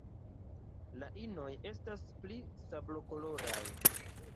La inoj estas pli sablokoloraj.